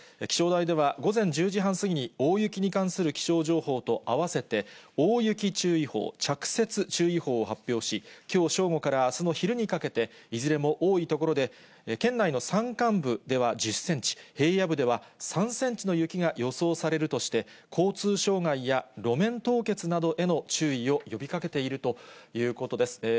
気象台では午前１０時半過ぎに、大雪に関する気象情報と併せて、大雪注意報、着雪注意報を発表し、きょう正午からあすの昼にかけて、いずれも多い所で、県内の山間部では１０センチ、平野部では３センチの雪が予想されるとして、交通障害や路面凍結などへの注意を呼びかけているということです。